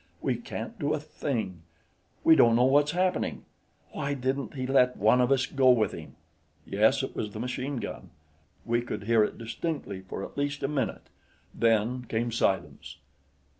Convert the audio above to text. We can't do a thing. We don't know what's happening. Why didn't he let one of us go with him?" Yes, it was the machine gun. We would hear it distinctly for at least a minute. Then came silence.